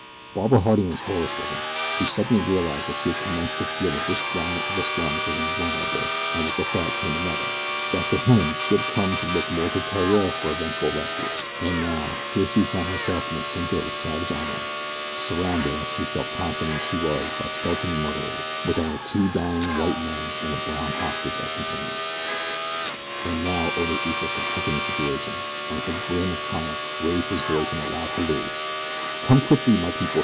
Barbara Harding was horror stricken. She suddenly realized that she had commenced to feel that this giant of the slums was invulnerable, and with the thought came another that to him she had come to look more than to Theriere for eventual rescue; and now, here she found herself in the center of a savage island, surrounded as she felt confident she was by skulking murderers, with only two dying white men and a brown hostage as companions. And now Oda Iseka took in the situation, and with a grin of triumph raised his voice in a loud halloo. "Come quickly, my people!"